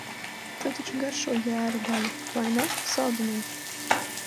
Tev taču garšo jēra gaļa, vai ne, saldumiņ?